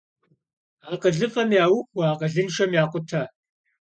Akhılıf'em yêuxue, akhılınşşem yêkhute.